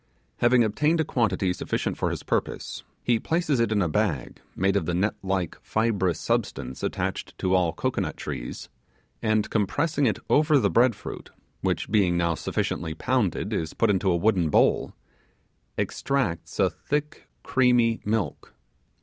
Having obtained a quantity sufficient for his purpose, he places it in a bag made of the net like fibrous substance attached to all cocoanut trees, and compressing it over the bread fruit, which being now sufficiently pounded, is put into a wooden bowl extracts a thick creamy milk.